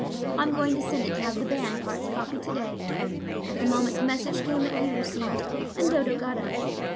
I'm going to send it to have the band parts copied to day." At the moment the message came that Hugh received, and Dodo got up.